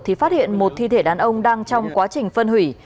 thì phát hiện một thi thể đàn ông đang trong quá trình phân hủy